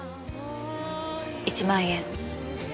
１万円。